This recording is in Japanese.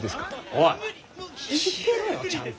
おい聞いてろよちゃんと！